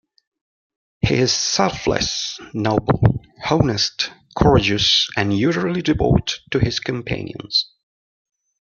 He is selfless, noble, honest, courageous, and utterly devoted to his companions.